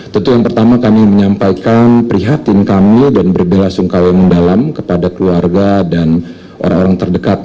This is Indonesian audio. tentu yang pertama kami menyampaikan prihatin kami dan berbela sungkawa yang mendalam kepada keluarga dan orang orang terdekat